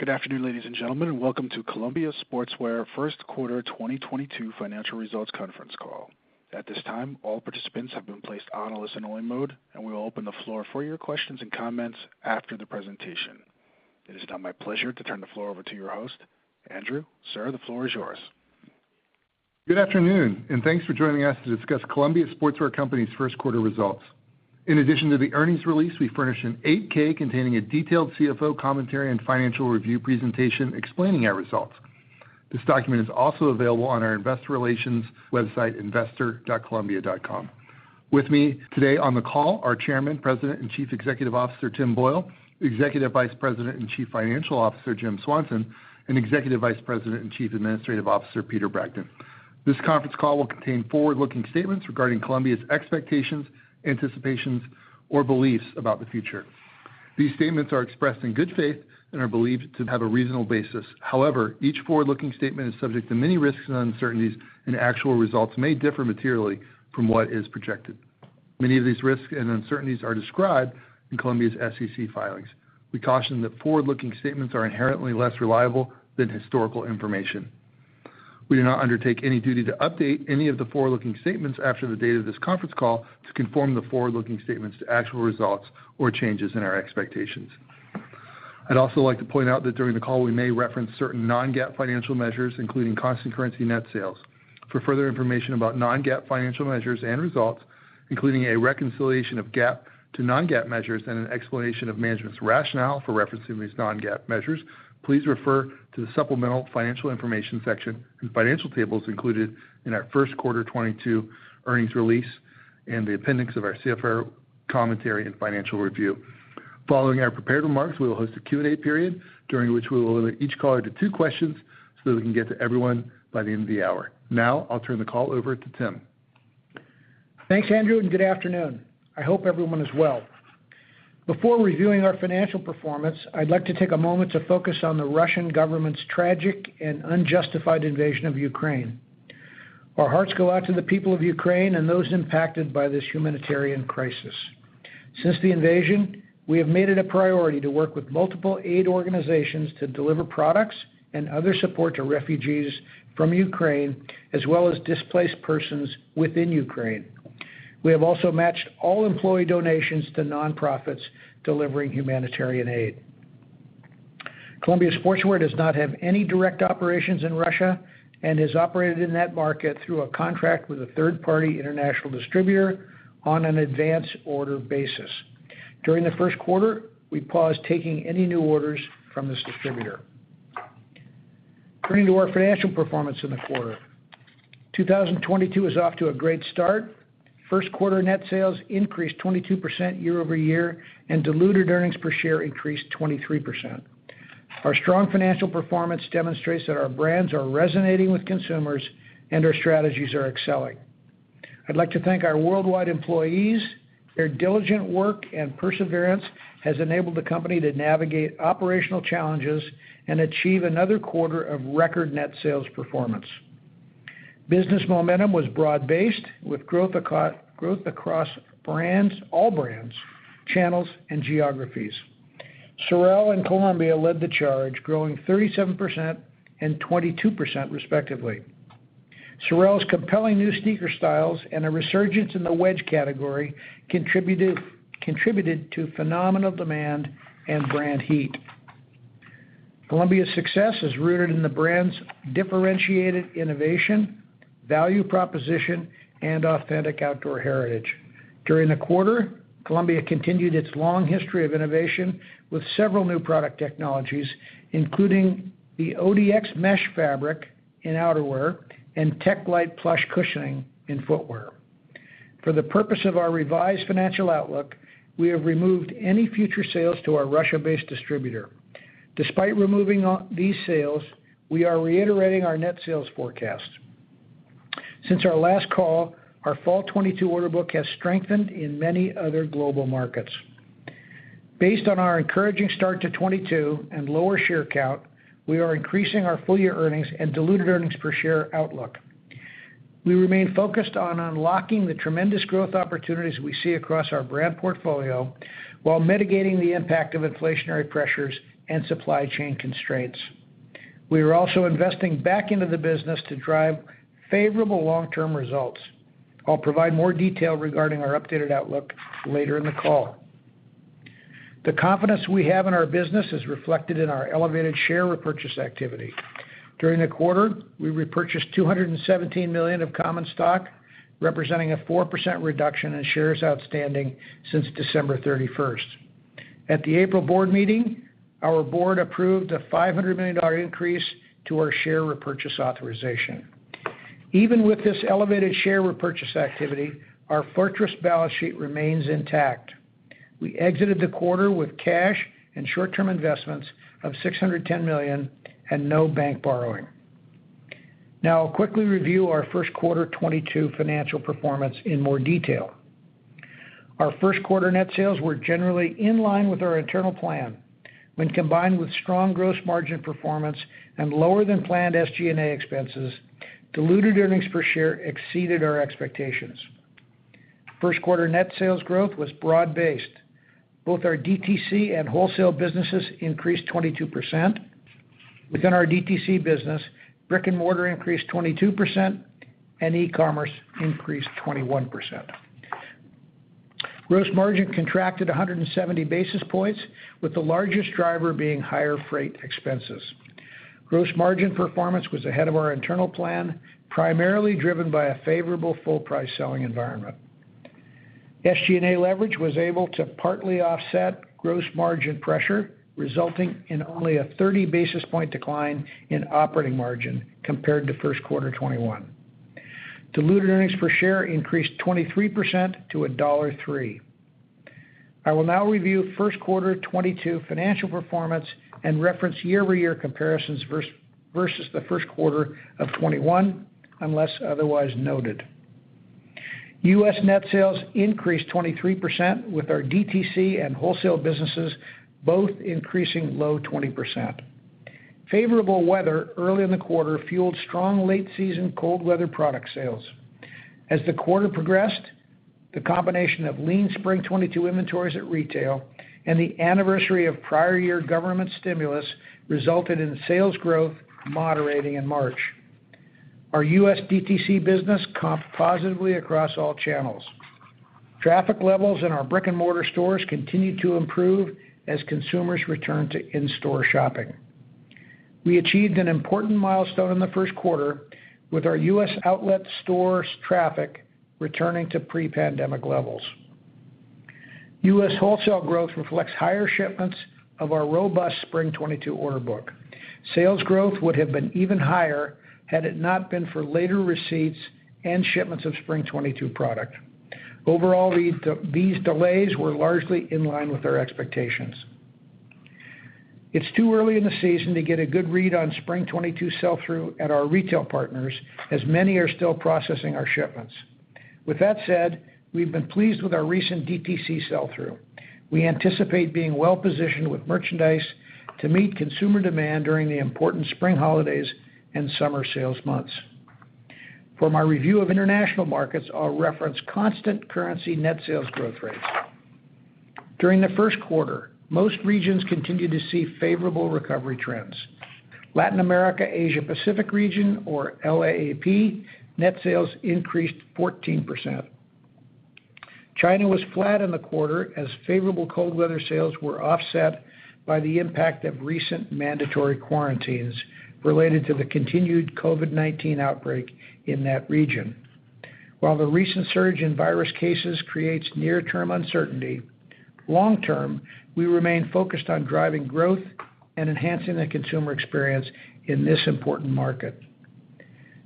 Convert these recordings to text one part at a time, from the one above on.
Good afternoon, ladies and gentlemen, and welcome to Columbia Sportswear First Quarter 2022 Financial Results Conference Call. At this time, all participants have been placed on a listen-only mode, and we will open the floor for your questions and comments after the presentation. It is now my pleasure to turn the floor over to your host, Andrew. Sir, the floor is yours. Good afternoon, and thanks for joining us to discuss Columbia Sportswear Company's first quarter results. In addition to the earnings release, we furnished an 8-K containing a detailed CFO commentary and financial review presentation explaining our results. This document is also available on our investor relations website, investor.columbia.com. With me today on the call, our Chairman, President, and Chief Executive Officer, Tim Boyle, Executive Vice President and Chief Financial Officer, Jim Swanson, and Executive Vice President and Chief Administrative Officer, Peter Bragdon. This conference call will contain forward-looking statements regarding Columbia's expectations, anticipations, or beliefs about the future. These statements are expressed in good faith and are believed to have a reasonable basis. However, each forward-looking statement is subject to many risks and uncertainties, and actual results may differ materially from what is projected. Many of these risks and uncertainties are described in Columbia's SEC filings. We caution that forward-looking statements are inherently less reliable than historical information. We do not undertake any duty to update any of the forward-looking statements after the date of this conference call to conform the forward-looking statements to actual results or changes in our expectations. I'd also like to point out that during the call, we may reference certain non-GAAP financial measures, including constant currency net sales. For further information about non-GAAP financial measures and results, including a reconciliation of GAAP to non-GAAP measures and an explanation of management's rationale for referencing these non-GAAP measures, please refer to the supplemental financial information section whose financial table is included in our first quarter 2022 earnings release and the appendix of our CFO commentary and financial review. Following our prepared remarks, we will host a Q&A period during which we will limit each caller to two questions so that we can get to everyone by the end of the hour. Now I'll turn the call over to Tim. Thanks, Andrew, and good afternoon. I hope everyone is well. Before reviewing our financial performance, I'd like to take a moment to focus on the Russian government's tragic and unjustified invasion of Ukraine. Our hearts go out to the people of Ukraine and those impacted by this humanitarian crisis. Since the invasion, we have made it a priority to work with multiple aid organizations to deliver products and other support to refugees from Ukraine as well as displaced persons within Ukraine. We have also matched all employee donations to nonprofits delivering humanitarian aid. Columbia Sportswear does not have any direct operations in Russia and has operated in that market through a contract with a third-party international distributor on an advance order basis. During the first quarter, we paused taking any new orders from this distributor. Turning to our financial performance in the quarter. 2022 is off to a great start. First quarter net sales increased 22% year over year, and diluted earnings per share increased 23%. Our strong financial performance demonstrates that our brands are resonating with consumers and our strategies are excelling. I'd like to thank our worldwide employees. Their diligent work and perseverance has enabled the company to navigate operational challenges and achieve another quarter of record net sales performance. Business momentum was broad-based with growth across brands, all brands, channels, and geographies. SOREL and Columbia led the charge, growing 37% and 22%, respectively. SOREL's compelling new sneaker styles and a resurgence in the wedge category contributed to phenomenal demand and brand heat. Columbia's success is rooted in the brand's differentiated innovation, value proposition, and authentic outdoor heritage. During the quarter, Columbia continued its long history of innovation with several new product technologies, including the ODX mesh fabric in outerwear and TechLite Plush cushioning in footwear. For the purpose of our revised financial outlook, we have removed any future sales to our Russia-based distributor. Despite removing these sales, we are reiterating our net sales forecast. Since our last call, our fall 2022 order book has strengthened in many other global markets. Based on our encouraging start to 2022 and lower share count, we are increasing our full-year earnings and diluted earnings per share outlook. We remain focused on unlocking the tremendous growth opportunities we see across our brand portfolio while mitigating the impact of inflationary pressures and supply chain constraints. We are also investing back into the business to drive favorable long-term results. I'll provide more detail regarding our updated outlook later in the call. The confidence we have in our business is reflected in our elevated share repurchase activity. During the quarter, we repurchased $217 million of common stock, representing a 4% reduction in shares outstanding since December 31. At the April board meeting, our board approved a $500 million increase to our share repurchase authorization. Even with this elevated share repurchase activity, our fortress balance sheet remains intact. We exited the quarter with cash and short-term investments of $610 million and no bank borrowing. Now I'll quickly review our first quarter 2022 financial performance in more detail. Our first quarter net sales were generally in line with our internal plan. When combined with strong gross margin performance and lower than planned SG&A expenses, diluted earnings per share exceeded our expectations. First quarter net sales growth was broad-based. Both our DTC and wholesale businesses increased 22%. Within our DTC business, brick and mortar increased 22% and e-commerce increased 21%. Gross margin contracted 170 basis points, with the largest driver being higher freight expenses. Gross margin performance was ahead of our internal plan, primarily driven by a favorable full price selling environment. SG&A leverage was able to partly offset gross margin pressure, resulting in only a 30 basis point decline in operating margin compared to first quarter 2021. Diluted earnings per share increased 23% to $1.03. I will now review first quarter 2022 financial performance and reference year-over-year comparisons versus the first quarter of 2021 unless otherwise noted. US net sales increased 23% with our DTC and wholesale businesses both increasing low 20%. Favorable weather early in the quarter fueled strong late season cold weather product sales. As the quarter progressed, the combination of lean spring 2022 inventories at retail and the anniversary of prior year government stimulus resulted in sales growth moderating in March. Our U.S. DTC business comped positively across all channels. Traffic levels in our brick-and-mortar stores continued to improve as consumers returned to in-store shopping. We achieved an important milestone in the first quarter with our U.S. outlet store's traffic returning to pre-pandemic levels. U.S. wholesale growth reflects higher shipments of our robust spring 2022 order book. Sales growth would have been even higher had it not been for later receipts and shipments of spring 2022 product. Overall, these delays were largely in line with our expectations. It's too early in the season to get a good read on spring 2022 sell-through at our retail partners as many are still processing our shipments. With that said, we've been pleased with our recent DTC sell-through. We anticipate being well-positioned with merchandise to meet consumer demand during the important spring holidays and summer sales months. For my review of international markets, I'll reference constant currency net sales growth rates. During the first quarter, most regions continued to see favorable recovery trends. Latin America, Asia Pacific region, or LAAP, net sales increased 14%. China was flat in the quarter as favorable cold weather sales were offset by the impact of recent mandatory quarantines related to the continued COVID-19 outbreak in that region. While the recent surge in virus cases creates near-term uncertainty, long term, we remain focused on driving growth and enhancing the consumer experience in this important market.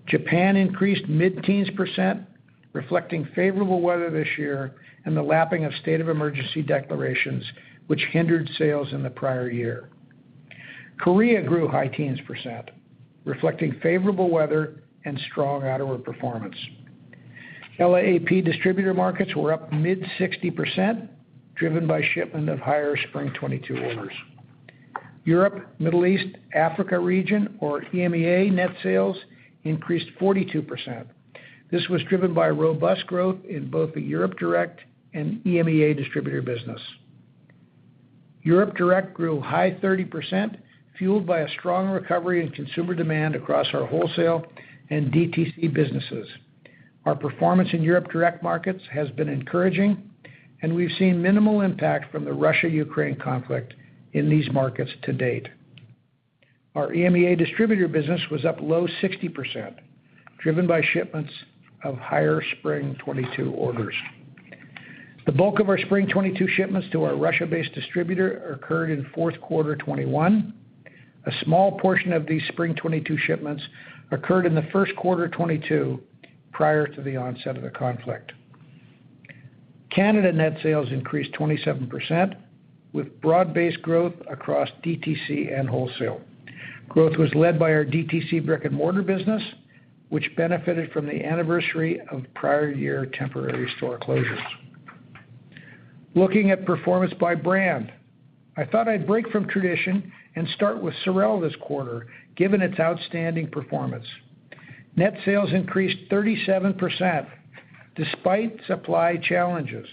Japan increased mid-teens%, reflecting favorable weather this year and the lapping of state of emergency declarations which hindered sales in the prior year. Korea grew high teens percent, reflecting favorable weather and strong outerwear performance. LAAP distributor markets were up mid-60%, driven by shipment of higher spring 2022 orders. Europe, Middle East, Africa region, or EMEA net sales increased 42%. This was driven by robust growth in both the Europe direct and EMEA distributor business. Europe direct grew high 30%, fueled by a strong recovery in consumer demand across our wholesale and DTC businesses. Our performance in Europe direct markets has been encouraging, and we've seen minimal impact from the Russia-Ukraine conflict in these markets to date. Our EMEA distributor business was up low 60%, driven by shipments of higher spring 2022 orders. The bulk of our spring 2022 shipments to our Russia-based distributor occurred in fourth quarter 2021. A small portion of these spring 2022 shipments occurred in the first quarter 2022 prior to the onset of the conflict. Canada net sales increased 27% with broad-based growth across DTC and wholesale. Growth was led by our DTC brick-and-mortar business, which benefited from the anniversary of prior year temporary store closures. Looking at performance by brand, I thought I'd break from tradition and start with SOREL this quarter, given its outstanding performance. Net sales increased 37% despite supply challenges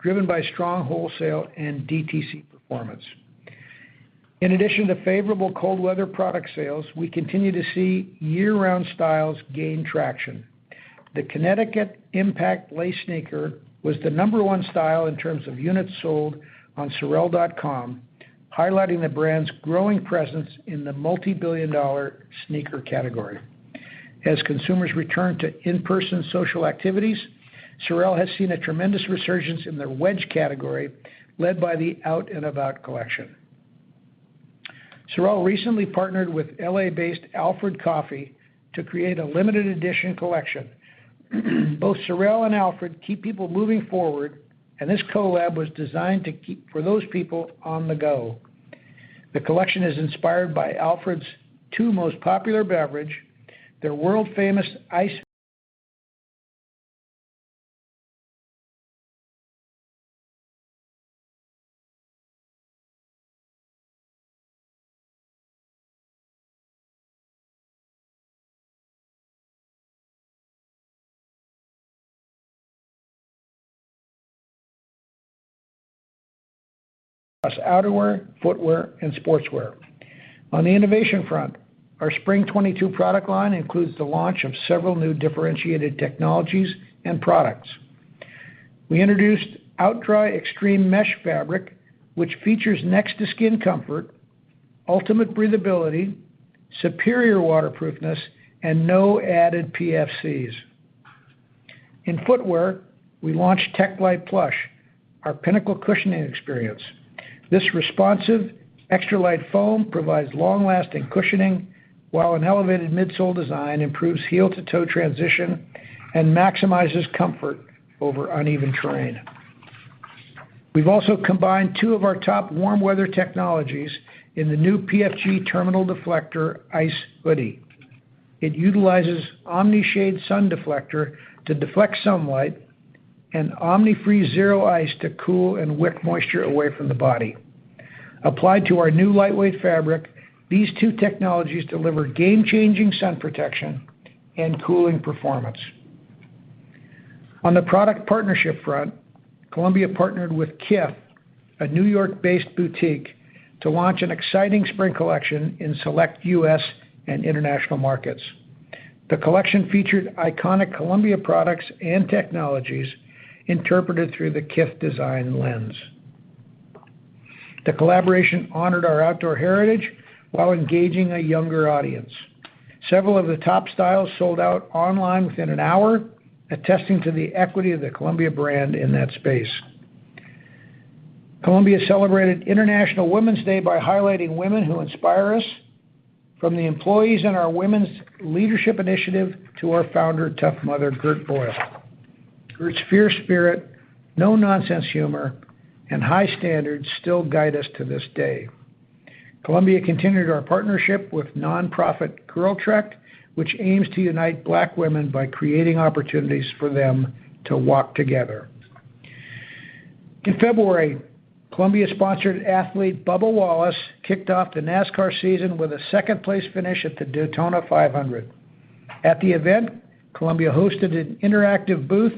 driven by strong wholesale and DTC performance. In addition to favorable cold weather product sales, we continue to see year-round styles gain traction. The Kinetic Impact Lace sneaker was the number one style in terms of units sold on sorel.com, highlighting the brand's growing presence in the multi-billion-dollar sneaker category. As consumers return to in-person social activities, SOREL has seen a tremendous resurgence in their wedge category, led by the Out'N About collection. SOREL recently partnered with L.A. Based Alfred Coffee to create a limited edition collection. Both SOREL and Alfred keep people moving forward, and this collab was designed for those people on the go. The collection is inspired by Alfred's two most popular beverage, their world-famous ice outerwear, footwear, and sportswear. On the innovation front, our spring 2022 product line includes the launch of several new differentiated technologies and products. We introduced OutDry Extreme Mesh fabric, which features next to skin comfort, ultimate breathability, superior waterproofness, and no added PFCs. In footwear, we launched TechLite Plush, our pinnacle cushioning experience. This responsive extra light foam provides long-lasting cushioning, while an elevated midsole design improves heel-to-toe transition and maximizes comfort over uneven terrain. We've also combined two of our top warm weather technologies in the new PFG Terminal Deflector Ice hoodie. It utilizes Omni-Shade Sun Deflector to deflect sunlight and Omni-Freeze ZERO ice to cool and wick moisture away from the body. Applied to our new lightweight fabric, these two technologies deliver game-changing sun protection and cooling performance. On the product partnership front, Columbia partnered with Kith, a New York-based boutique, to launch an exciting spring collection in select U.S. and international markets. The collection featured iconic Columbia products and technologies interpreted through the Kith design lens. The collaboration honored our outdoor heritage while engaging a younger audience. Several of the top styles sold out online within an hour, attesting to the equity of the Columbia brand in that space. Columbia celebrated International Women's Day by highlighting women who inspire us, from the employees in our Women's Leadership Initiative to our founder, tough mother, Gert Boyle. Gert's fierce spirit, no-nonsense humor, and high standards still guide us to this day. Columbia continued our partnership with nonprofit GirlTREK, which aims to unite Black women by creating opportunities for them to walk together. In February, Columbia-sponsored athlete Bubba Wallace kicked off the NASCAR season with a second place finish at the Daytona 500. At the event, Columbia hosted an interactive booth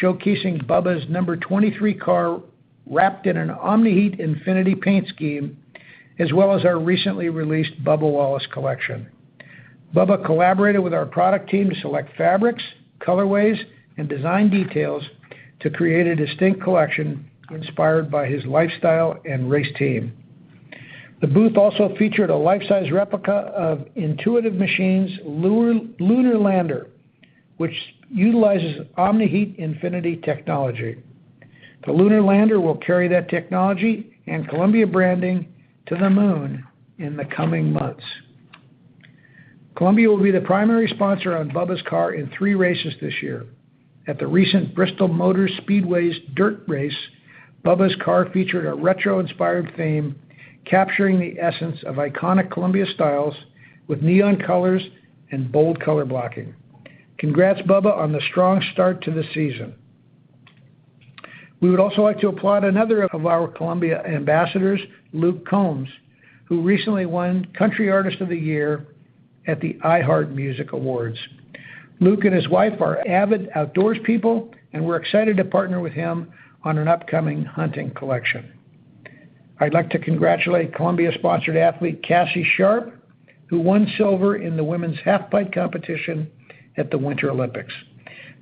showcasing Bubba's number 23 car wrapped in an Omni-Heat Infinity paint scheme, as well as our recently released Bubba Wallace Collection. Bubba collaborated with our product team to select fabrics, colorways, and design details to create a distinct collection inspired by his lifestyle and race team. The booth also featured a life-size replica of Intuitive Machines' lunar lander, which utilizes Omni-Heat Infinity technology. The lunar lander will carry that technology and Columbia branding to the moon in the coming months. Columbia will be the primary sponsor on Bubba's car in three races this year. At the recent Bristol Motor Speedway's Dirt Race, Bubba's car featured a retro-inspired theme, capturing the essence of iconic Columbia styles with neon colors and bold color blocking. Congrats, Bubba, on the strong start to the season. We would also like to applaud another of our Columbia ambassadors, Luke Combs, who recently won Country Artist of the Year at the iHeartRadio Music Awards. Luke and his wife are avid outdoors people, and we're excited to partner with him on an upcoming hunting collection. I'd like to congratulate Columbia-sponsored athlete Cassie Sharpe, who won silver in the women's half pipe competition at the Winter Olympics.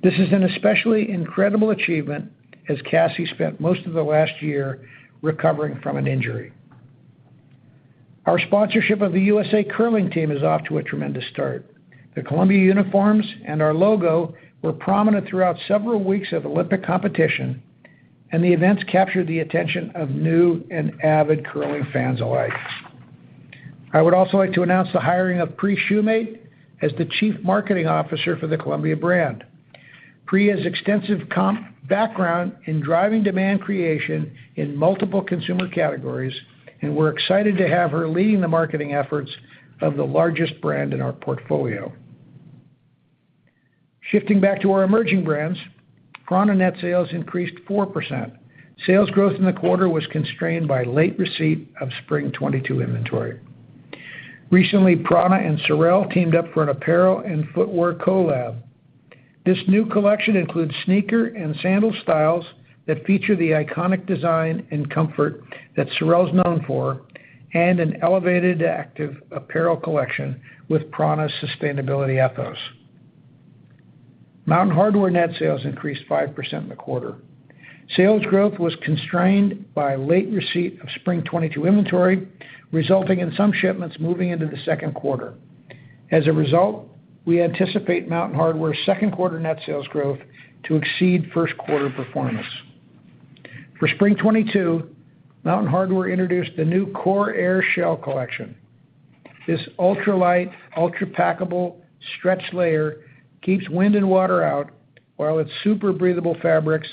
This is an especially incredible achievement, as Cassie spent most of the last year recovering from an injury. Our sponsorship of the USA Curling team is off to a tremendous start. The Columbia uniforms and our logo were prominent throughout several weeks of Olympic competition, and the events captured the attention of new and avid curling fans alike. I would also like to announce the hiring of Pri Shumate as the Chief Marketing Officer for the Columbia brand. Priya has extensive commercial background in driving demand creation in multiple consumer categories, and we're excited to have her leading the marketing efforts of the largest brand in our portfolio. Shifting back to our emerging brands, prAna net sales increased 4%. Sales growth in the quarter was constrained by late receipt of spring 2022 inventory. Recently, prAna and SOREL teamed up for an apparel and footwear collab. This new collection includes sneaker and sandal styles that feature the iconic design and comfort that SOREL's known for and an elevated active apparel collection with prAna's sustainability ethos. Mountain Hardwear net sales increased 5% in the quarter. Sales growth was constrained by late receipt of spring 2022 inventory, resulting in some shipments moving into the second quarter. As a result, we anticipate Mountain Hardwear's second quarter net sales growth to exceed first quarter performance. For spring 2022, Mountain Hardwear introduced the new Kor AirShell collection. This ultra-light, ultra-packable stretch layer keeps wind and water out while its super breathable fabrics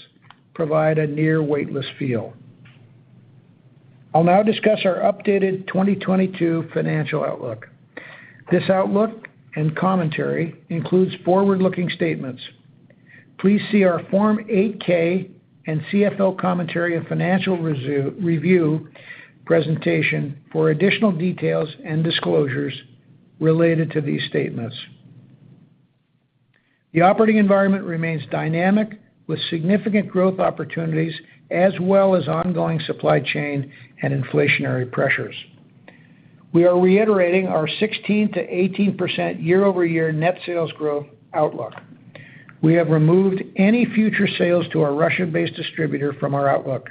provide a near weightless feel. I'll now discuss our updated 2022 financial outlook. This outlook and commentary includes forward-looking statements. Please see our Form 8-K and CFO commentary and financial results review presentation for additional details and disclosures related to these statements. The operating environment remains dynamic with significant growth opportunities as well as ongoing supply chain and inflationary pressures. We are reiterating our 16%-18% year-over-year net sales growth outlook. We have removed any future sales to our Russia-based distributor from our outlook.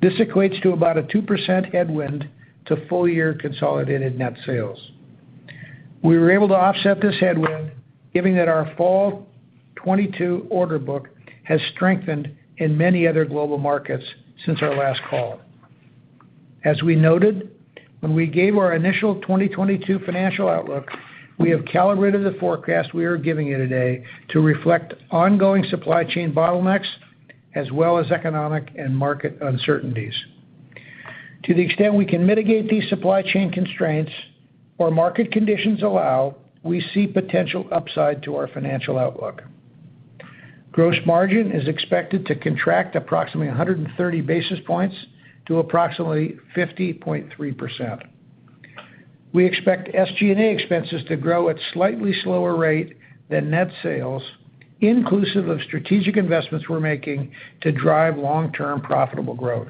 This equates to about a 2% headwind to full year consolidated net sales. We were able to offset this headwind given that our fall 2022 order book has strengthened in many other global markets since our last call. As we noted, when we gave our initial 2022 financial outlook, we have calibrated the forecast we are giving you today to reflect ongoing supply chain bottlenecks as well as economic and market uncertainties. To the extent we can mitigate these supply chain constraints or market conditions allow, we see potential upside to our financial outlook. Gross margin is expected to contract approximately 100 basis points to approximately 50.3%. We expect SG&A expenses to grow at slightly slower rate than net sales, inclusive of strategic investments we're making to drive long-term profitable growth.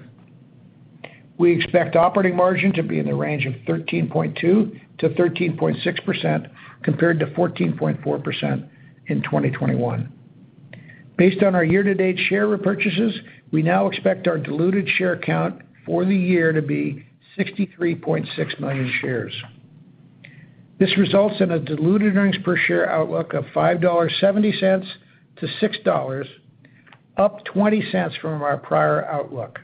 We expect operating margin to be in the range of 13.2%-13.6% compared to 14.4% in 2021. Based on our year-to-date share repurchases, we now expect our diluted share count for the year to be 63.6 million shares. This results in a diluted earnings per share outlook of $5.70-$6, up $0.2 from our prior outlook.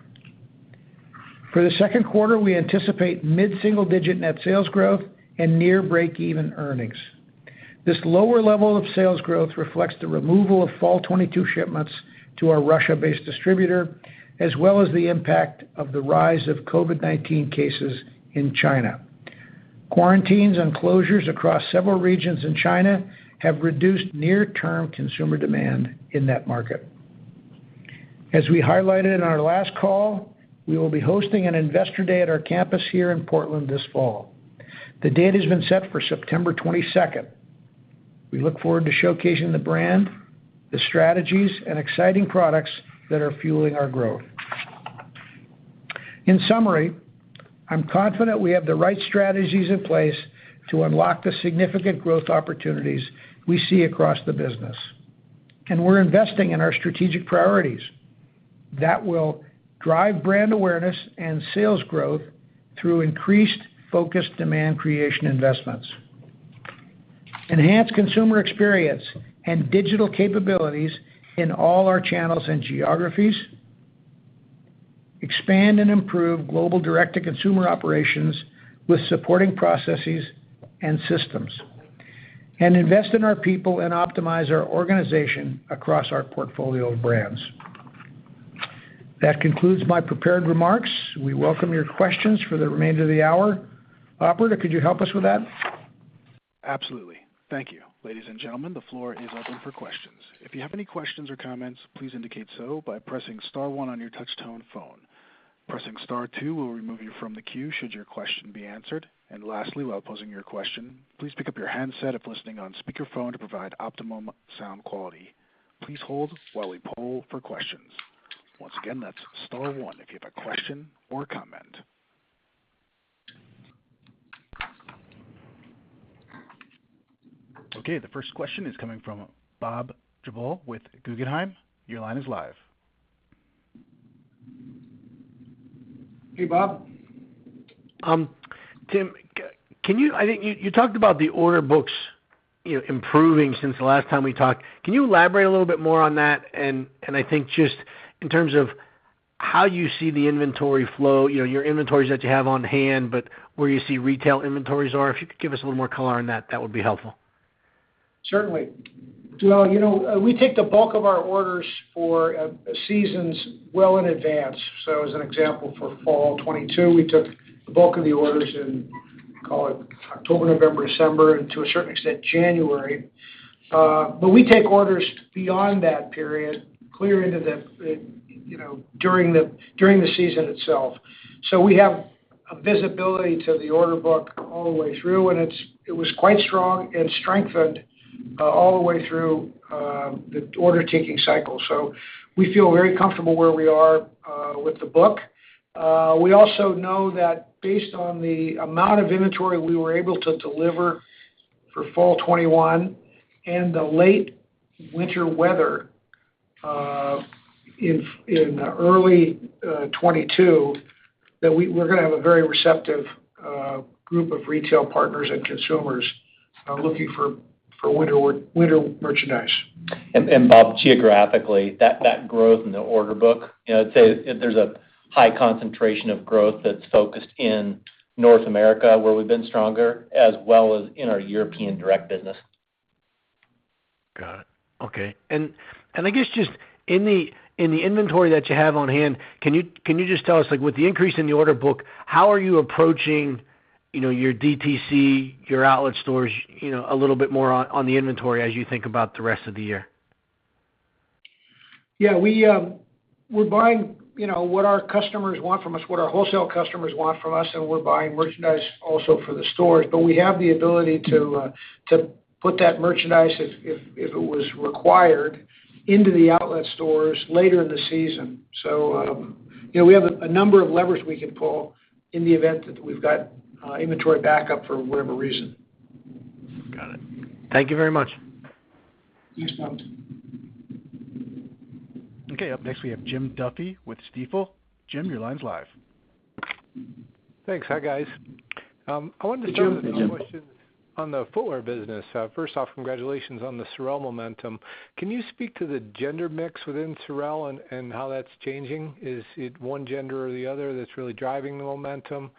For the second quarter, we anticipate mid-single-digit net sales growth and near breakeven earnings. This lower level of sales growth reflects the removal of fall 2022 shipments to our Russia-based distributor, as well as the impact of the rise of COVID-19 cases in China. Quarantines and closures across several regions in China have reduced near-term consumer demand in that market. As we highlighted in our last call, we will be hosting an investor day at our campus here in Portland this fall. The date has been set for September 22nd. We look forward to showcasing the brand, the strategies, and exciting products that are fueling our growth. In summary, I'm confident we have the right strategies in place to unlock the significant growth opportunities we see across the business, and we're investing in our strategic priorities that will drive brand awareness and sales growth through increased focused demand creation investments, enhance consumer experience and digital capabilities in all our channels and geographies, expand and improve global direct-to-consumer operations with supporting processes and systems, and invest in our people and optimize our organization across our portfolio of brands. That concludes my prepared remarks. We welcome your questions for the remainder of the hour. Operator, could you help us with that? Absolutely. Thank you. Ladies and gentlemen, the floor is open for questions. If you have any questions or comments, please indicate so by pressing star one on your touchtone phone. Pressing star two will remove you from the queue should your question be answered. And lastly, while posing your question, please pick up your handset if listening on speakerphone to provide optimum sound quality. Please hold while we poll for questions. Once again, that's star one if you have a question or comment. Okay. The first question is coming from Bob Drbul with Guggenheim. Your line is live. Hey, Bob. Tim, I think you talked about the order books, you know, improving since the last time we talked. Can you elaborate a little bit more on that? I think just in terms of how you see the inventory flow, you know, your inventories that you have on hand, but where you see retail inventories are. If you could give us a little more color on that would be helpful. Certainly. Well, you know, we take the bulk of our orders for seasons well in advance. So as an example for fall 2022, we took the bulk of the orders in, call it October, November, December, and to a certain extent January. But we take orders beyond that period clear into the you know, during the season itself. So we have a visibility to the order book all the way through, and it was quite strong and strengthened all the way through the order-taking cycle. So we feel very comfortable where we are with the book. We also know that based on the amount of inventory we were able to deliver for fall 2021 and the late winter weather in early 2022, that we're gonna have a very receptive group of retail partners and consumers looking for winter merchandise. Bob, geographically, that growth in the order book, you know, I'd say there's a high concentration of growth that's focused in North America, where we've been stronger, as well as in our European direct business. Got it. Okay. I guess just in the inventory that you have on hand, can you just tell us, like with the increase in the order book, how are you approaching, you know, your DTC, your outlet stores, you know, a little bit more on the inventory as you think about the rest of the year? Yeah. We're buying, you know, what our customers want from us, what our wholesale customers want from us, and we're buying merchandise also for the stores. We have the ability to put that merchandise if it was required into the outlet stores later in the season. You know, we have a number of levers we can pull in the event that we've got inventory backup for whatever reason. Got it. Thank you very much. Thanks, Bob. Okay. Up next, we have Jim Duffy with Stifel. Jim, your line's live. Thanks. Hi, guys. I wanted to start. Hey, Jim. With a question on the footwear business. First off, congratulations on the SOREL momentum. Can you speak to the gender mix within SOREL and how that's changing? Is it one gender or the other that's really driving the momentum?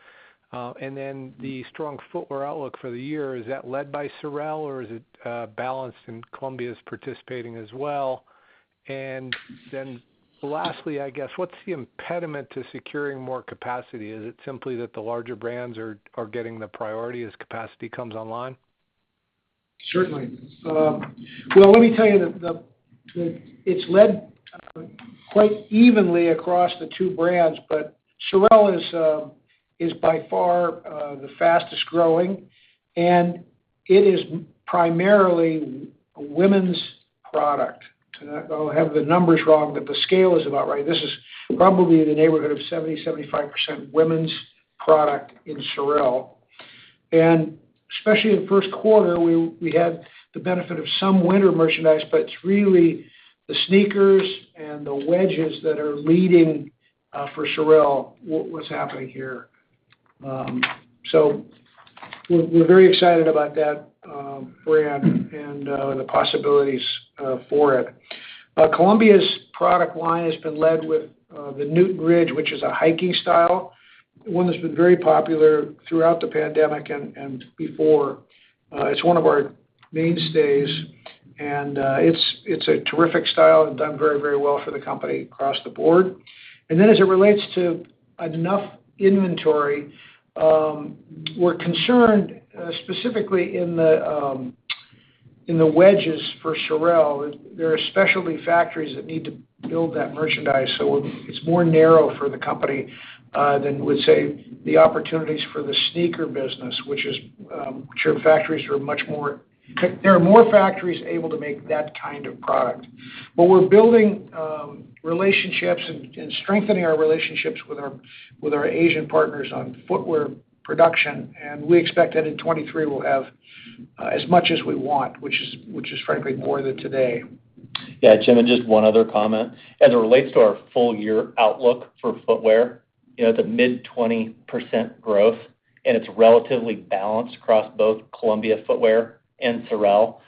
And then the strong footwear outlook for the year, is that led by SOREL, or is it balanced and Columbia's participating as well? And then lastly, I guess, what's the impediment to securing more capacity? Is it simply that the larger brands are getting the priority as capacity comes online? Certainly. Well, let me tell you it's led quite evenly across the two brands, but SOREL is by far the fastest growing, and it is primarily women's product. I'll have the numbers wrong, but the scale is about right. This is probably in the neighborhood of 75% women's product in SOREL. Especially in the first quarter, we had the benefit of some winter merchandise, but it's really the sneakers and the wedges that are leading for SOREL, what was happening here. We're very excited about that brand and the possibilities for it. Columbia's product line has been led with the Newton Ridge, which is a hiking style, one that's been very popular throughout the pandemic and before. It's one of our mainstays, and it's a terrific style and done very, very well for the company across the board. As it relates to enough inventory, we're concerned specifically in the wedges for SOREL. There are specialty factories that need to build that merchandise, so it's more narrow for the company than we'd say the opportunities for the sneaker business. There are more factories able to make that kind of product. We're building relationships and strengthening our relationships with our Asian partners on footwear production, and we expect that in 2023 we'll have as much as we want, which is frankly more than today. Yeah. Jim, just one other comment. As it relates to our full year outlook for footwear, you know, at the mid-20% growth, and it's relatively balanced across both Columbia Footwear and SOREL.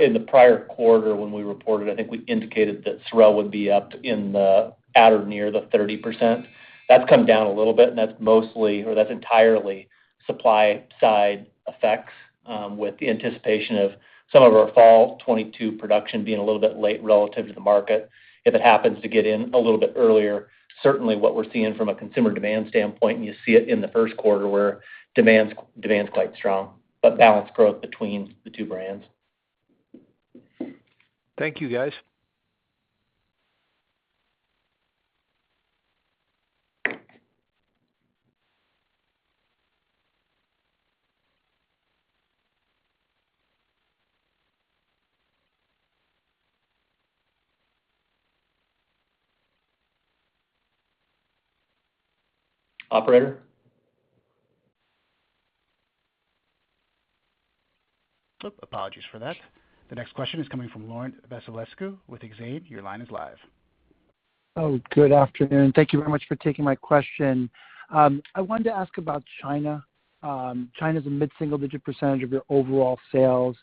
In the prior quarter when we reported, I think we indicated that SOREL would be up at or near the 30%. That's come down a little bit, and that's mostly or that's entirely supply side effects, with the anticipation of some of our fall 2022 production being a little bit late relative to the market. If it happens to get in a little bit earlier, certainly what we're seeing from a consumer demand standpoint, and you see it in the first quarter, where demand's quite strong, but balanced growth between the two brands. Thank you, guys. Operator? Oops, apologies for that. The next question is coming from Laurent Vasilescu with Exane. Your line is live. Good afternoon. Thank you very much for taking my question. I wanted to ask about China. China's a mid-single-digit percentage of your overall sales.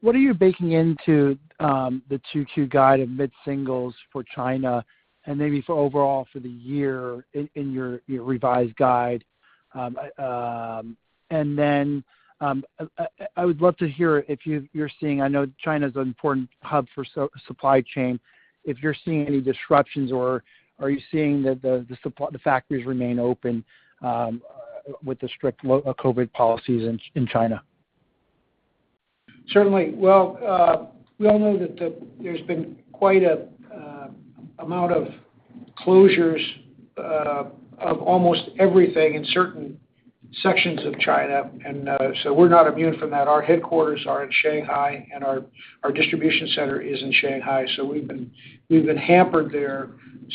What are you baking into the 2022 guide of mid-single-digits for China and maybe for overall for the year in your revised guide? I would love to hear if you're seeing. I know China's an important hub for supply chain. If you're seeing any disruptions or are you seeing that the factories remain open with the strict COVID policies in China? Certainly. Well, we all know that there's been quite a amount of closures of almost everything in certain sections of China and so we're not immune from that. Our headquarters are in Shanghai, and our distribution center is in Shanghai. So we've been hampered there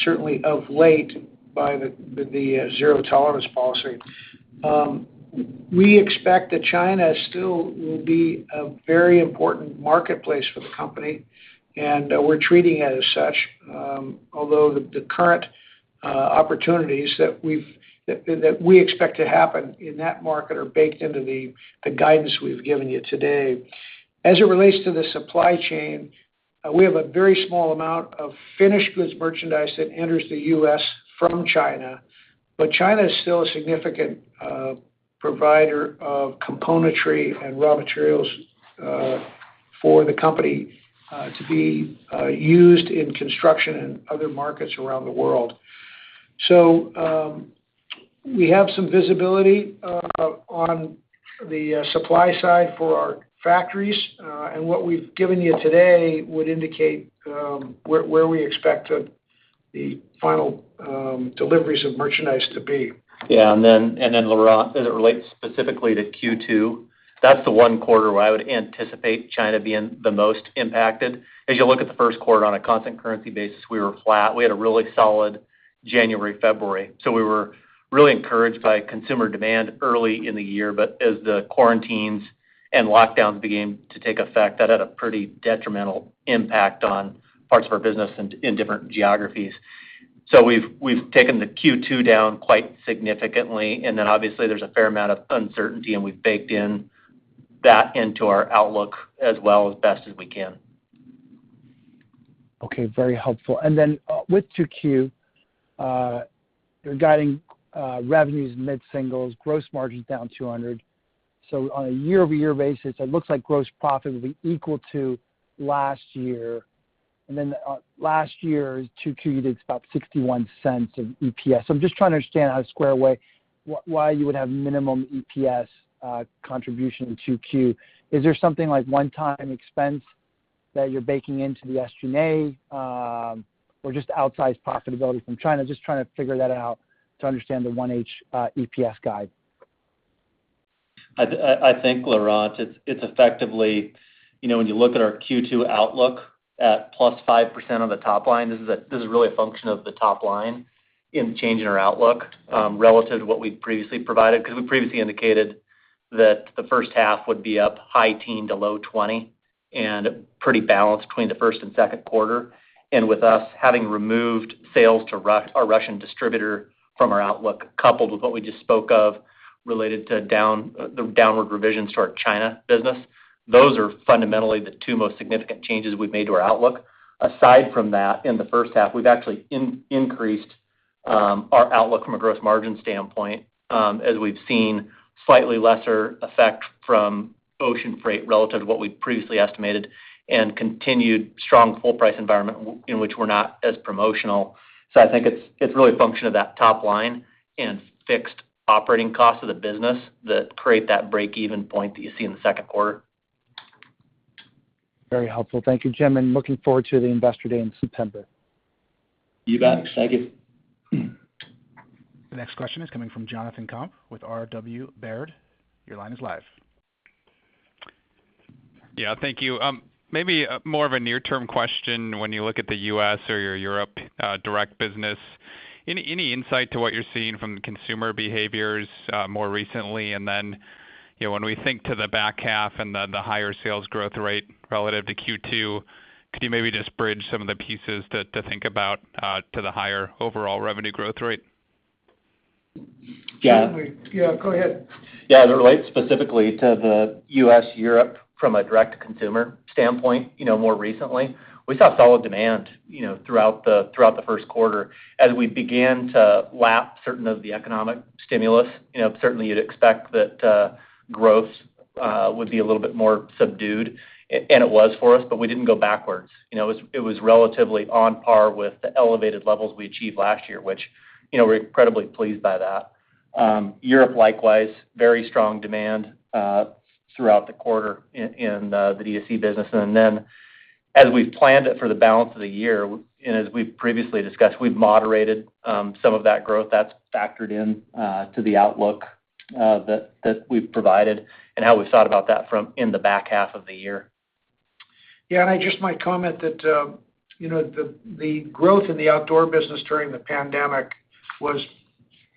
certainly of late by the zero tolerance policy. We expect that China still will be a very important marketplace for the company, and we're treating it as such. Although the current opportunities that we expect to happen in that market are baked into the guidance we've given you today. As it relates to the supply chain, we have a very small amount of finished goods merchandise that enters the U.S. from China. China is still a significant provider of componentry and raw materials for the company to be used in construction and other markets around the world. We have some visibility on the supply side for our factories. What we've given you today would indicate where we expect the final deliveries of merchandise to be. Yeah. Then, Laurent, as it relates specifically to Q2, that's the one quarter where I would anticipate China being the most impacted. As you look at the first quarter on a constant currency basis, we were flat. We had a really solid January, February. We were really encouraged by consumer demand early in the year, but as the quarantines and lockdowns began to take effect, that had a pretty detrimental impact on parts of our business in different geographies. We've taken the Q2 down quite significantly, and obviously there's a fair amount of uncertainty, and we've baked that into our outlook as well, as best as we can. Okay, very helpful. Then, with 2Q, you're guiding revenues mid-singles, gross margins down 200. On a year-over-year basis, it looks like gross profit will be equal to last year. Last year's 2Q, it's about $0.61 EPS. I'm just trying to understand how to square away why you would have minimum EPS contribution in 2Q. Is there something like one-time expense that you're baking into the SG&A, or just outsized profitability from China? Just trying to figure that out to understand the 1H EPS guide. I think, Laurent, it's effectively, you know, when you look at our Q2 outlook at +5% on the top line, this is really a function of the top line and changing our outlook, relative to what we'd previously provided. Because we previously indicated that the first half would be up high teens%-low 20s% and pretty balanced between the first and second quarter. With us having removed sales to our Russian distributor from our outlook, coupled with what we just spoke of related to the downward revisions to our China business, those are fundamentally the two most significant changes we've made to our outlook. Aside from that, in the first half, we've actually increased our outlook from a gross margin standpoint, as we've seen slightly lesser effect from ocean freight relative to what we'd previously estimated and continued strong full price environment in which we're not as promotional. I think it's really a function of that top line and fixed operating costs of the business that create that break-even point that you see in the second quarter. Very helpful. Thank you, Jim, and looking forward to the Investor Day in September. You bet. Thank you. The next question is coming from Jonathan Komp with RW Baird. Your line is live. Yeah. Thank you. Maybe more of a near-term question. When you look at the U.S. or your Europe direct business, any insight into what you're seeing from the consumer behaviors more recently? Then, you know, when we think to the back half and the higher sales growth rate relative to Q2, could you maybe just bridge some of the pieces to think about the higher overall revenue growth rate? Yeah. Certainly. Yeah, go ahead. Yeah. To relate specifically to the U.S./Europe from a direct-to-consumer standpoint, you know, more recently, we saw solid demand, you know, throughout the first quarter. As we began to lap certain of the economic stimulus, you know, certainly you'd expect that growth would be a little bit more subdued and it was for us, but we didn't go backwards. You know, it was relatively on par with the elevated levels we achieved last year, which, you know, we're incredibly pleased by that. Europe, likewise, very strong demand throughout the quarter in the D2C business. As we've planned it for the balance of the year and as we've previously discussed, we've moderated some of that growth. That's factored in to the outlook that we've provided and how we've thought about that from in the back half of the year. Yeah. I just might comment that, you know, the growth in the outdoor business during the pandemic was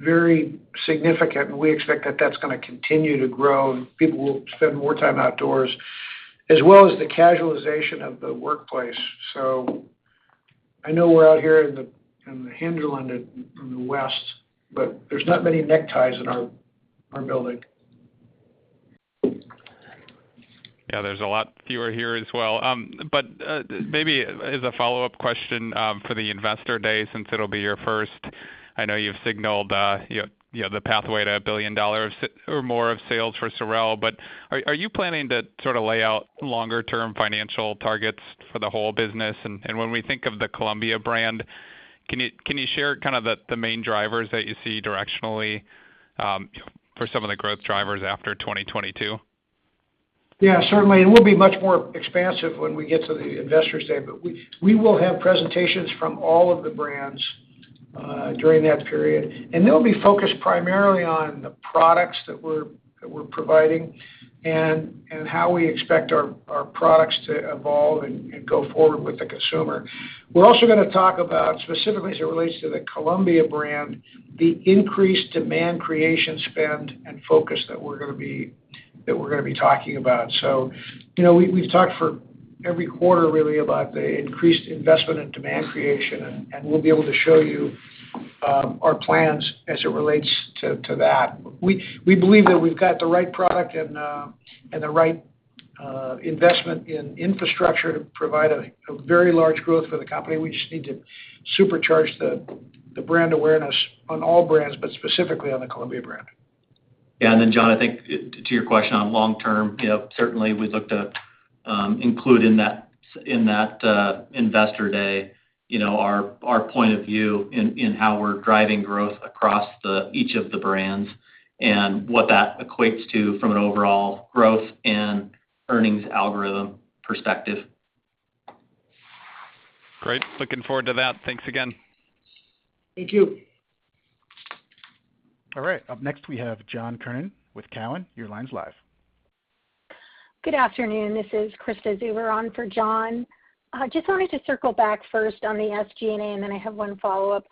very significant, and we expect that that's gonna continue to grow and people will spend more time outdoors, as well as the casualization of the workplace. I know we're out here in the hinterland in the west, but there's not many neckties in our building. Yeah, there's a lot fewer here as well. Maybe as a follow-up question, for the Investor Day since it'll be your first, I know you've signaled, you know, the pathway to $1 billion or more of sales for SOREL. Are you planning to sort of lay out longer term financial targets for the whole business? When we think of the Columbia brand, can you share kind of the main drivers that you see directionally, for some of the growth drivers after 2022? Yeah, certainly. We'll be much more expansive when we get to the Investor Day, but we will have presentations from all of the brands during that period, and they'll be focused primarily on the products that we're providing and how we expect our products to evolve and go forward with the consumer. We're also gonna talk about, specifically as it relates to the Columbia brand, the increased demand creation spend and focus that we're gonna be talking about. You know, we've talked for every quarter really about the increased investment in demand creation, and we'll be able to show you our plans as it relates to that. We believe that we've got the right product and the right investment in infrastructure to provide a very large growth for the company. We just need to supercharge the brand awareness on all brands, but specifically on the Columbia brand. Yeah. John, I think, to your question on long term, you know, certainly we'd look to include in that Investor Day, you know, our point of view in how we're driving growth across each of the brands and what that equates to from an overall growth and earnings algorithm perspective. Great. Looking forward to that. Thanks again. Thank you. All right. Up next, we have John Kernan with Cowen. Your line's live. Good afternoon. This is Krista Zuber on for John. Just wanted to circle back first on the SG&A, and then I have one follow-up.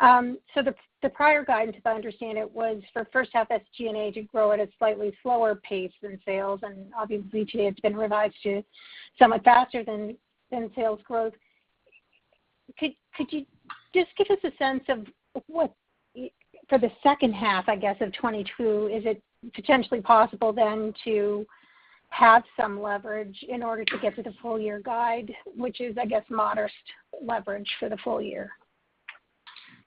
The prior guidance, if I understand it, was for first half SG&A to grow at a slightly slower pace than sales, and obviously, today it's been revised to somewhat faster than sales growth. Could you just give us a sense of what for the second half, I guess, of 2022, is it potentially possible then to have some leverage in order to get to the full year guide, which is, I guess, modest leverage for the full year?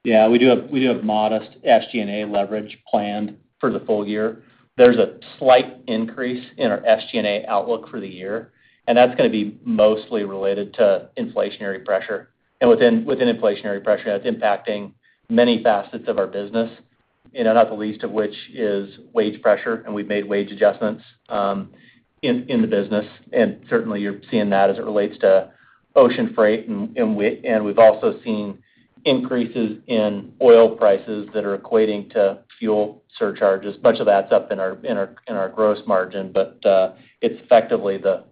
Yeah. We do have modest SG&A leverage planned for the full year. There's a slight increase in our SG&A outlook for the year, and that's gonna be mostly related to inflationary pressure. Within inflationary pressure, that's impacting many facets of our business, you know, not the least of which is wage pressure, and we've made wage adjustments in the business. Certainly, you're seeing that as it relates to ocean freight and we've also seen increases in oil prices that are equating to fuel surcharges. Much of that's up in our gross margin, but it's effectively the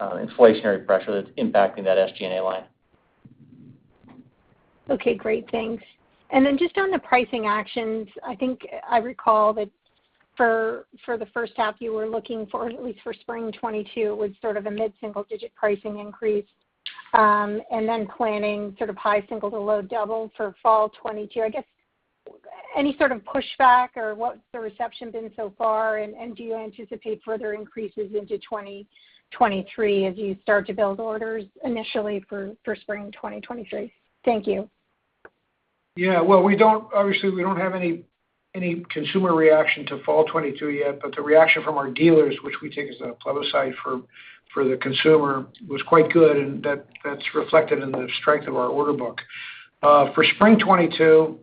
inflationary pressure that's impacting that SG&A line. Okay. Great. Thanks. Just on the pricing actions, I think I recall that for the first half, you were looking for, at least for spring 2022, sort of a mid-single-digit pricing increase, and then planning sort of high single- to low double-digit for fall 2022. I guess any sort of pushback or what's the reception been so far and do you anticipate further increases into 2023 as you start to build orders initially for spring 2023? Thank you. Yeah. Well, obviously we don't have any consumer reaction to fall 2022 yet, but the reaction from our dealers, which we take as a plebiscite for the consumer, was quite good, and that's reflected in the strength of our order book. For spring 2022,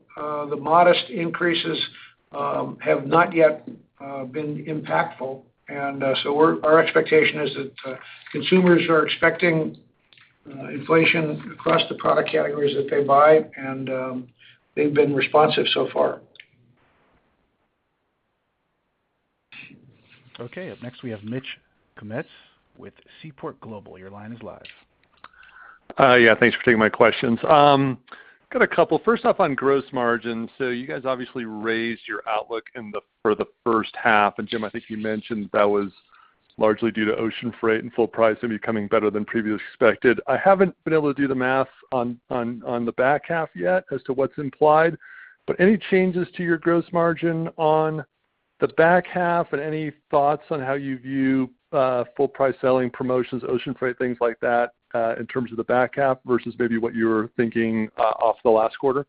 the modest increases have not yet been impactful. Our expectation is that consumers are expecting inflation across the product categories that they buy and they've been responsive so far. Okay. Up next, we have Mitch Kummetz with Seaport Global. Your line is live. Yeah, thanks for taking my questions. Got a couple. First off, on gross margin. You guys obviously raised your outlook for the first half. Jim, I think you mentioned that was largely due to ocean freight and full price and becoming better than previously expected. I haven't been able to do the math on the back half yet as to what's implied, but any changes to your gross margin on the back half and any thoughts on how you view full price selling promotions, ocean freight, things like that, in terms of the back half versus maybe what you were thinking off the last quarter?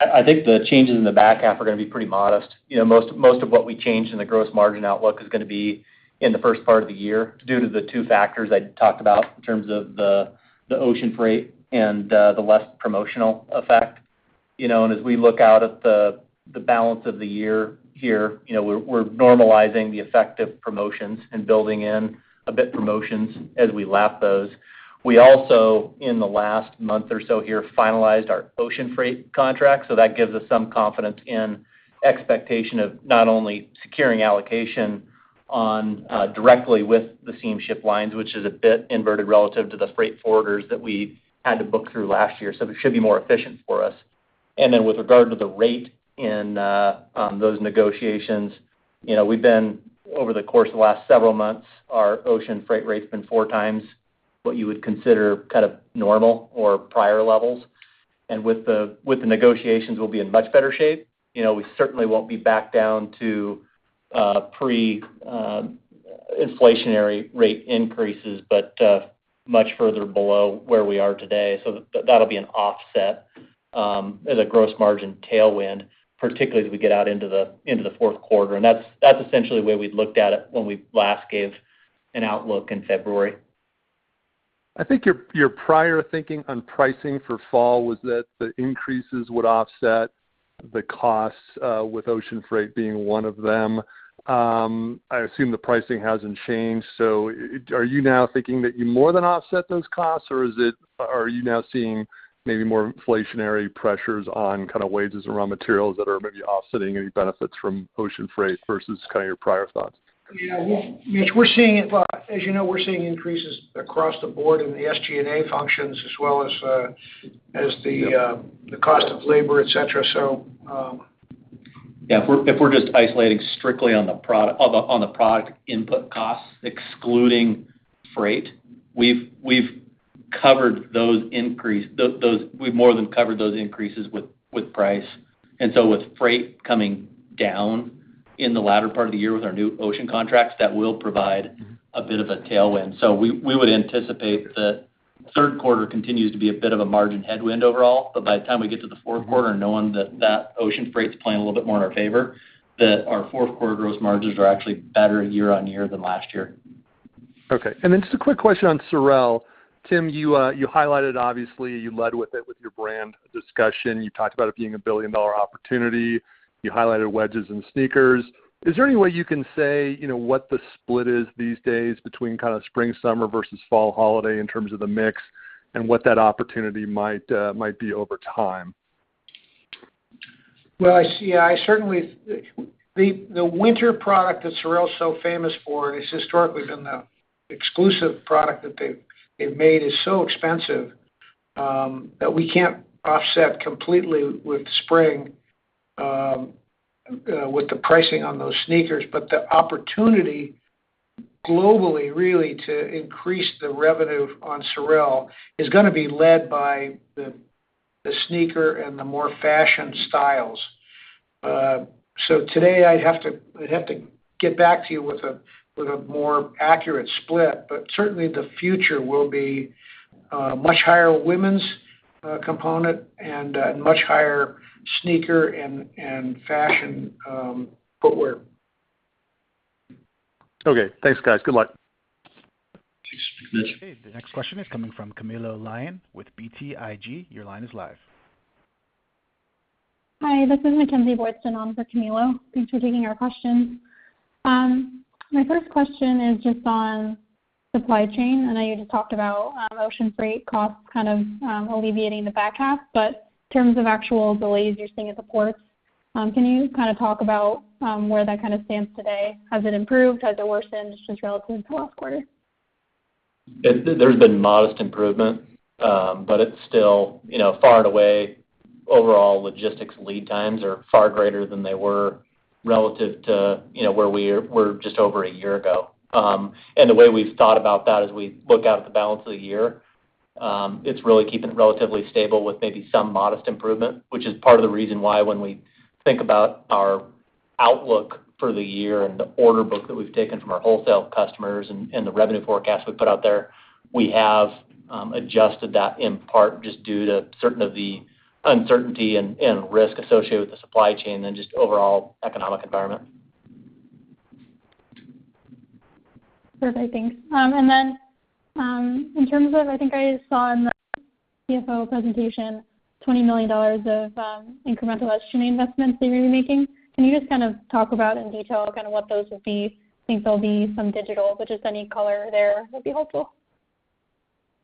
I think the changes in the back half are gonna be pretty modest. You know, most of what we changed in the gross margin outlook is gonna be in the first part of the year due to the two factors I talked about in terms of the ocean freight and the less promotional effect. You know, as we look out at the balance of the year here, you know, we're normalizing the effect of promotions and building in a bit promotions as we lap those. We also, in the last month or so here, finalized our ocean freight contract, so that gives us some confidence in expectation of not only securing allocation on directly with the steamship lines, which is a bit inverted relative to the freight forwarders that we had to book through last year. It should be more efficient for us. Then with regard to the rate in those negotiations, you know, we've been over the course of the last several months, our ocean freight rate's been four times what you would consider kind of normal or prior levels. With the negotiations, we'll be in much better shape. You know, we certainly won't be back down to pre-inflationary rate increases, but much further below where we are today. That'll be an offset as a gross margin tailwind, particularly as we get out into the fourth quarter. That's essentially the way we'd looked at it when we last gave an outlook in February. I think your prior thinking on pricing for fall was that the increases would offset the costs, with ocean freight being one of them. I assume the pricing hasn't changed. Are you now thinking that you more than offset those costs, or are you now seeing maybe more inflationary pressures on kind of wages and raw materials that are maybe offsetting any benefits from ocean freight versus kind of your prior thoughts? Well, Mitch, as you know, we're seeing increases across the board in the SG&A functions as well as the cost of labor, et cetera. Yeah. If we're just isolating strictly on the product input costs, excluding freight, we've covered those increases with price. With freight coming down in the latter part of the year with our new ocean contracts, that will provide a bit of a tailwind. We would anticipate that third quarter continues to be a bit of a margin headwind overall. By the time we get to the fourth quarter, knowing that ocean freight is playing a little bit more in our favor, our fourth quarter gross margins are actually better year-on-year than last year. Okay. Just a quick question on SOREL. Tim, you highlighted, obviously you led with it with your brand discussion. You talked about it being a billion-dollar opportunity. You highlighted wedges and sneakers. Is there any way you can say, you know, what the split is these days between kind of spring, summer versus fall holiday in terms of the mix and what that opportunity might be over time? The winter product that SOREL is so famous for, and it's historically been the exclusive product that they've made is so expensive that we can't offset completely with spring with the pricing on those sneakers. The opportunity globally really to increase the revenue on SOREL is gonna be led by the sneaker and the more fashion styles. Today, I'd have to get back to you with a more accurate split, but certainly the future will be a much higher women's component and a much higher sneaker and fashion footwear. Okay. Thanks, guys. Good luck. Thanks. Okay. The next question is coming from Camilo Lyon with BTIG. Your line is live. Hi, this is Mackenzie Boydston, standing in for Camilo Lyon. Thanks for taking our questions. My first question is just on supply chain. I know you just talked about ocean freight costs kind of alleviating the back half. In terms of actual delays you're seeing at the ports, can you kind of talk about where that kind of stands today? Has it improved? Has it worsened just relative to last quarter? There's been modest improvement, but it's still, you know, far and away, overall logistics lead times are far greater than they were relative to, you know, where we were just over a year ago. The way we've thought about that as we look out at the balance of the year, it's really keeping it relatively stable with maybe some modest improvement, which is part of the reason why when we think about our outlook for the year and the order book that we've taken from our wholesale customers and the revenue forecast we put out there, we have adjusted that in part just due to certain of the uncertainty and risk associated with the supply chain and just overall economic environment. Perfect, thanks. In terms of, I think I saw in the CFO presentation $20 million of incremental estimated investments that you're making. Can you just kind of talk about in detail kind of what those would be? I think there'll be some digital, but just any color there would be helpful.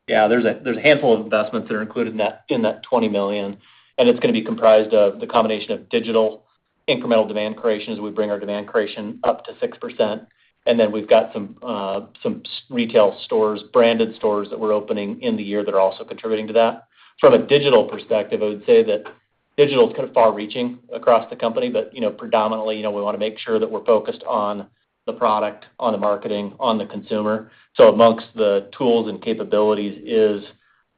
There's a handful of investments that are included in that $20 million, and it's gonna be comprised of the combination of digital incremental demand creation as we bring our demand creation up to 6%. Then we've got some SOREL retail stores, branded stores that we're opening in the year that are also contributing to that. From a digital perspective, I would say that digital is kind of far reaching across the company, but you know, predominantly, you know, we wanna make sure that we're focused on the product, on the marketing, on the consumer. Amongst the tools and capabilities is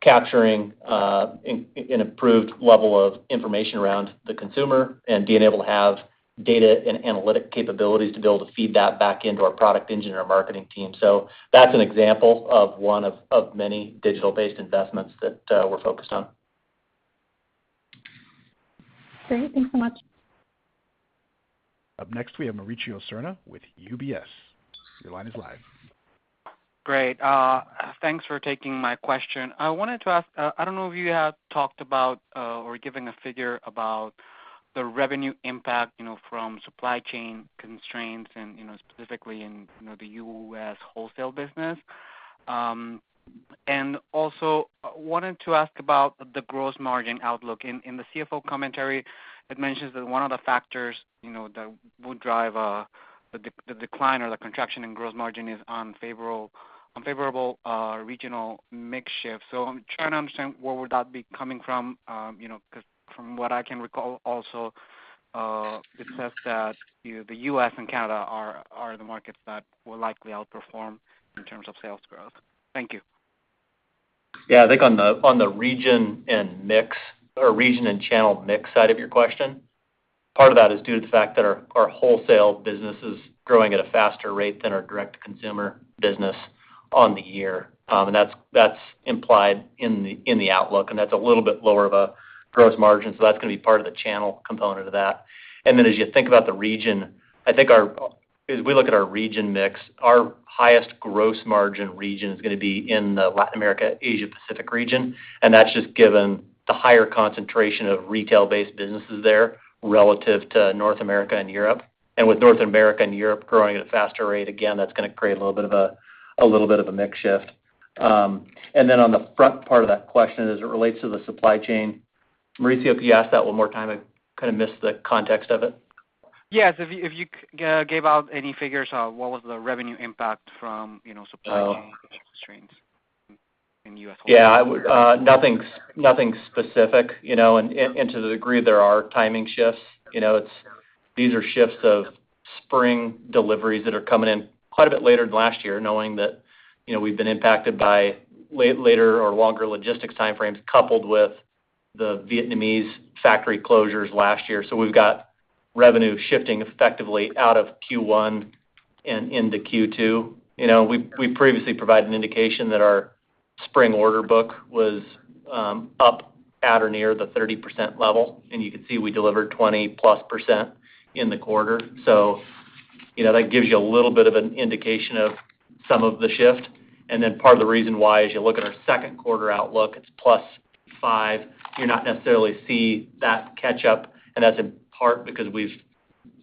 capturing an improved level of information around the consumer and being able to have data and analytic capabilities to be able to feed that back into our product engine or marketing team. That's an example of one of many digital-based investments that we're focused on. Great. Thanks so much. Up next, we have Mauricio Serna with UBS. Your line is live. Great. Thanks for taking my question. I wanted to ask, I don't know if you have talked about, or given a figure about the revenue impact, you know, from supply chain constraints and, you know, specifically in, you know, the U.S. wholesale business. And also wanted to ask about the gross margin outlook. In the CFO commentary, it mentions that one of the factors, you know, that would drive the decline or the contraction in gross margin is unfavorable regional mix shift. So I'm trying to understand where would that be coming from? You know, 'cause from what I can recall also, it says that, you know, the U.S. and Canada are the markets that will likely outperform in terms of sales growth. Thank you. Yeah. I think on the region and mix or region and channel mix side of your question, part of that is due to the fact that our wholesale business is growing at a faster rate than our direct consumer business on the year. That's implied in the outlook, and that's a little bit lower of a gross margin. That's gonna be part of the channel component of that. Then as you think about the region, I think as we look at our region mix, our highest gross margin region is gonna be in the Latin America, Asia Pacific region, and that's just given the higher concentration of retail-based businesses there relative to North America and Europe. With North America and Europe growing at a faster rate, again, that's gonna create a little bit of a mix shift. Then on the front part of that question, as it relates to the supply chain, Mauricio, if you ask that one more time, I kind of missed the context of it. Yes. If you gave out any figures on what was the revenue impact from, you know, supply chain constraints in U.S. Yeah. Nothing specific. To the degree there are timing shifts. It's these are shifts of spring deliveries that are coming in quite a bit later than last year, knowing that we've been impacted by later or longer logistics time frames coupled with the Vietnamese factory closures last year. We've got revenue shifting effectively out of Q1 and into Q2. We previously provided an indication that our spring order book was up at or near the 30% level, and you could see we delivered 20%+ in the quarter. That gives you a little bit of an indication of some of the shift. Then part of the reason why, as you look at our second quarter outlook, it's +5%. You're not necessarily going to see that catch up, and that's in part because we've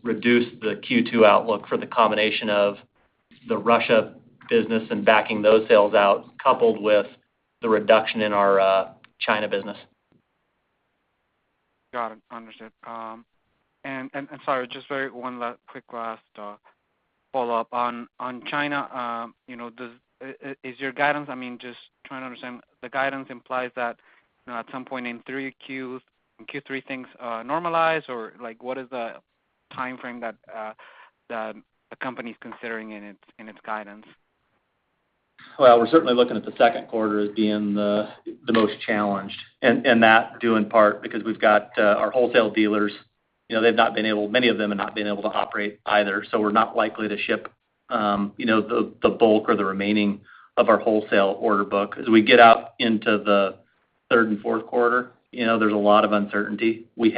reduced the Q2 outlook for the combination of the Russia business and backing those sales out, coupled with the reduction in our China business. Got it. Understood. Sorry, just one last quick follow-up on China. You know, is your guidance, I mean, just trying to understand, the guidance implies that, you know, at some point in Q3 things normalize or like what is the timeframe that the company's considering in its guidance? Well, we're certainly looking at the second quarter as being the most challenged, and that due in part because we've got our wholesale dealers. You know, many of them have not been able to operate either, so we're not likely to ship, you know, the bulk or the remaining of our wholesale order book. As we get out into the third and fourth quarter, you know, there's a lot of uncertainty. We'd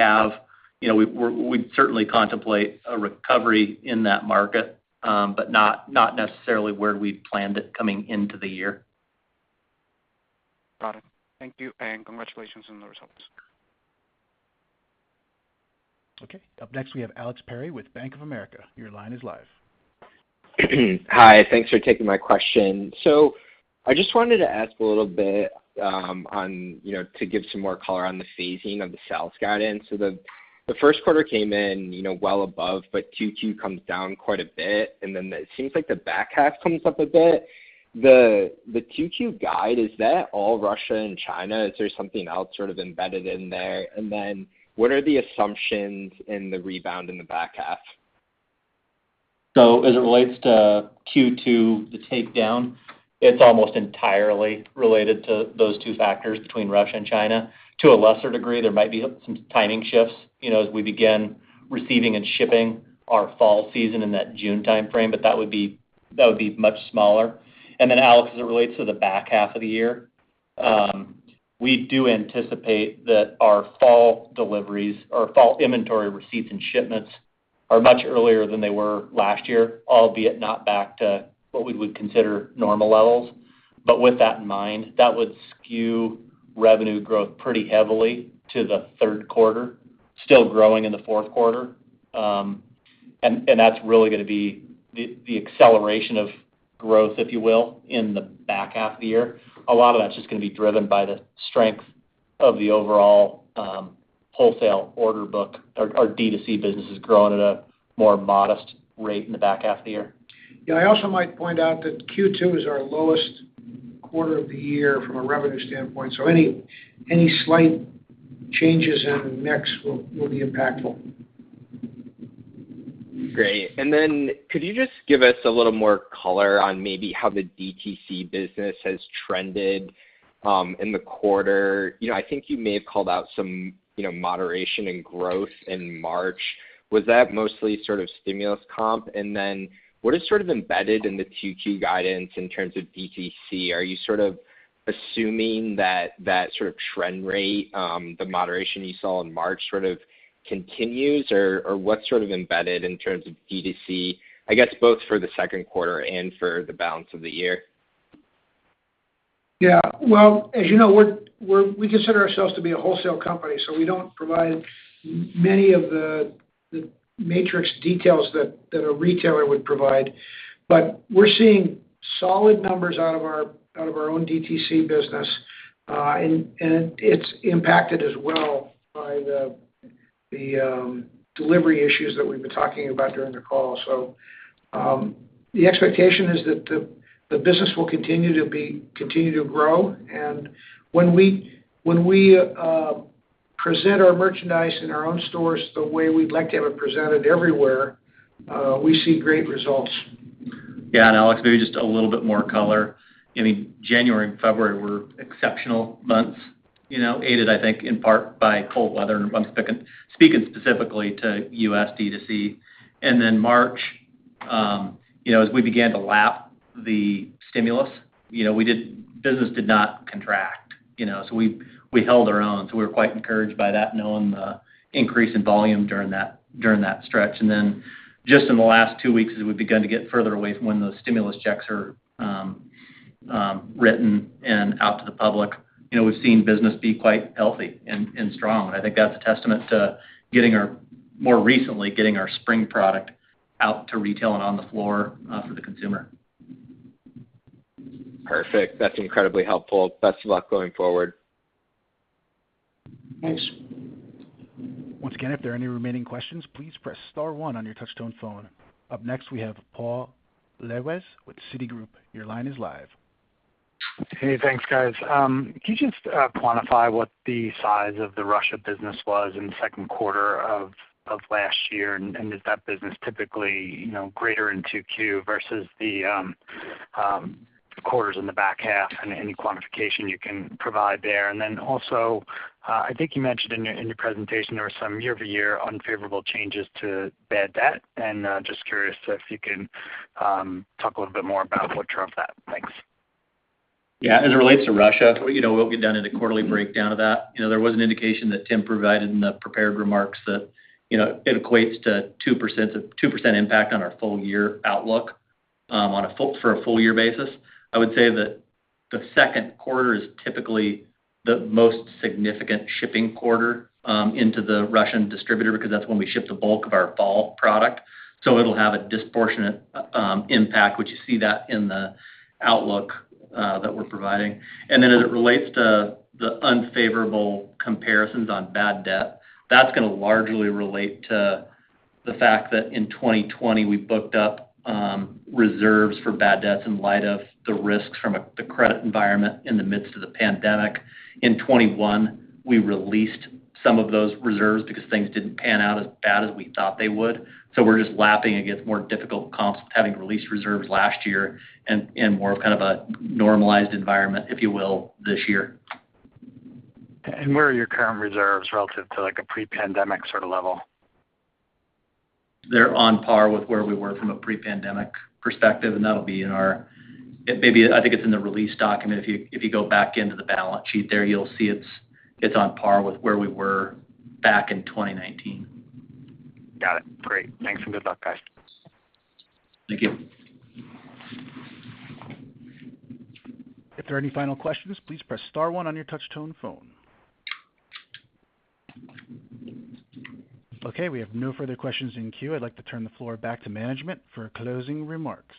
certainly contemplate a recovery in that market, but not necessarily where we'd planned it coming into the year. Got it. Thank you, and congratulations on the results. Okay. Up next, we have Alex Perry with Bank of America. Your line is live. Hi. Thanks for taking my question. I just wanted to ask a little bit, on, you know, to give some more color on the phasing of the sales guidance. The first quarter came in, you know, well above, but Q2 comes down quite a bit, and then it seems like the back half comes up a bit. The Q2 guide, is that all Russia and China? Is there something else sort of embedded in there? What are the assumptions in the rebound in the back half? As it relates to Q2, the takedown, it's almost entirely related to those two factors between Russia and China. To a lesser degree, there might be some timing shifts, you know, as we begin receiving and shipping our fall season in that June timeframe, but that would be much smaller. Then Alex, as it relates to the back half of the year, we do anticipate that our fall deliveries or fall inventory receipts and shipments are much earlier than they were last year, albeit not back to what we would consider normal levels. With that in mind, that would skew revenue growth pretty heavily to the third quarter, still growing in the fourth quarter. That's really gonna be the acceleration of growth, if you will, in the back half of the year. A lot of that's just gonna be driven by the strength of the overall wholesale order book. Our D2C business is growing at a more modest rate in the back half of the year. Yeah, I also might point out that Q2 is our lowest quarter of the year from a revenue standpoint, so any slight changes in the mix will be impactful. Great. Then could you just give us a little more color on maybe how the DTC business has trended in the quarter? You know, I think you may have called out some, you know, moderation in growth in March. Was that mostly sort of stimulus comp? And then what is sort of embedded in the 2Q guidance in terms of DTC? Are you sort of assuming that that sort of trend rate, the moderation you saw in March sort of continues? Or what's sort of embedded in terms of DTC, I guess, both for the second quarter and for the balance of the year? Yeah. Well, as you know, we consider ourselves to be a wholesale company, so we don't provide many of the metrics details that a retailer would provide. We're seeing solid numbers out of our own DTC business, and it's impacted as well by the delivery issues that we've been talking about during the call. The expectation is that the business will continue to grow. When we present our merchandise in our own stores the way we'd like to have it presented everywhere, we see great results. Yeah. Alex, maybe just a little bit more color. I mean, January and February were exceptional months, you know, aided, I think, in part by cold weather and months picking, speaking specifically to US DTC. March, you know, as we began to lap the stimulus, you know, business did not contract, you know. We held our own, so we were quite encouraged by that knowing the increase in volume during that stretch. Just in the last two weeks as we've begun to get further away from when those stimulus checks are written and out to the public, you know, we've seen business be quite healthy and strong. I think that's a testament to more recently, getting our spring product out to retail and on the floor for the consumer. Perfect. That's incredibly helpful. Best of luck going forward. Thanks. Once again, if there are any remaining questions, please press star one on your touch tone phone. Up next, we have Paul Lejuez with Citigroup. Your line is live. Hey, thanks, guys. Can you just quantify what the size of the Russia business was in the second quarter of last year? Is that business typically, you know, greater in 2Q versus the quarters in the back half, and any quantification you can provide there? Also, I think you mentioned in your presentation there were some year-over-year unfavorable changes to bad debt. Just curious if you can talk a little bit more about what drove that. Thanks. Yeah. As it relates to Russia, you know, we'll get down into quarterly breakdown of that. You know, there was an indication that Tim provided in the prepared remarks that, you know, it equates to 2% impact on our full year outlook, on a full year basis. I would say that the second quarter is typically the most significant shipping quarter into the Russian distributor because that's when we ship the bulk of our fall product. It'll have a disproportionate impact, which you see that in the outlook that we're providing. Then as it relates to the unfavorable comparisons on bad debt, that's gonna largely relate to the fact that in 2020, we booked up reserves for bad debts in light of the risks from the credit environment in the midst of the pandemic. In 2021, we released some of those reserves because things didn't pan out as bad as we thought they would. We're just lapping against more difficult comps, having released reserves last year and more of kind of a normalized environment, if you will, this year. Where are your current reserves relative to, like, a pre-pandemic sort of level? They're on par with where we were from a pre-pandemic perspective, and that'll be in our release document. I think it's in the release document. If you go back into the balance sheet there, you'll see it's on par with where we were back in 2019. Got it. Great. Thanks, and good luck, guys. Thank you. If there are any final questions, please press star one on your touch tone phone. Okay, we have no further questions in queue. I'd like to turn the floor back to management for closing remarks.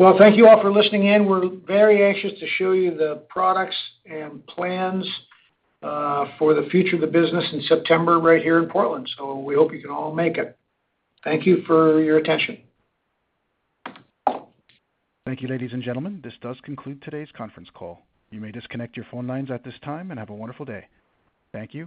Well, thank you all for listening in. We're very anxious to show you the products and plans for the future of the business in September right here in Portland. We hope you can all make it. Thank you for your attention. Thank you, ladies and gentlemen. This does conclude today's conference call. You may disconnect your phone lines at this time, and have a wonderful day. Thank you.